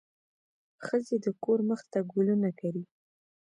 ښځې د کور مخ ته ګلونه کري.